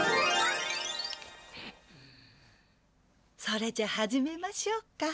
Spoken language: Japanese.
それじゃ始めましょうか。